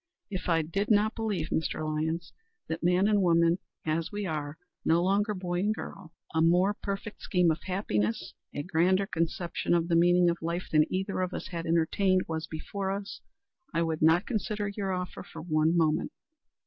If I did not believe, Mr. Lyons, that man and woman as we are no longer boy and girl a more perfect scheme of happiness, a grander conception of the meaning of life than either of us had entertained was before us, I would not consider your offer for one moment."